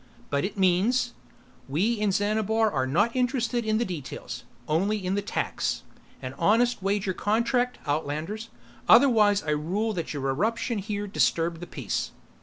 "But it means " "We in Xanabar are not interested in the details. Only in the tax. An honest wager contract, outlanders. Otherwise I rule that your eruption here disturbed the peace."